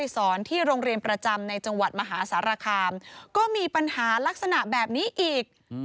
ซารคามก็มีปัญหาลักษณะแบบนี้อีก